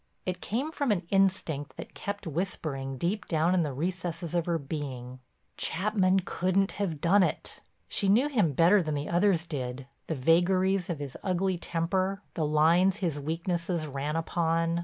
It came from an instinct that kept whispering deep down in the recesses of her being, "Chapman couldn't have done it." She knew him better than the others did, the vagaries of his ugly temper, the lines his weaknesses ran upon.